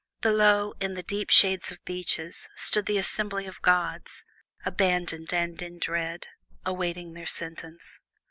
Below, in the deep shade of beeches, stood the assembly of gods, abandoned and in dread, awaiting their sentence.